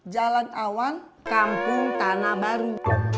jalan awan kampung tanah baru